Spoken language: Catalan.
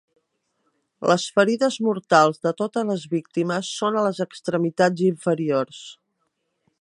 Les ferides mortals de totes les víctimes són a les extremitats inferiors.